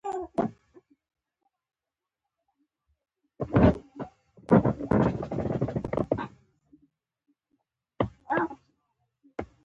د بهرنیو چارو وزیر د خبرو اترو په غونډه کې حاضر و.